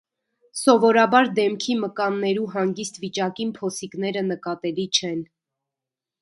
Սովորաբար դէմքի մկաններու հանգիստ վիճակին փոսիկները նկատելի չեն։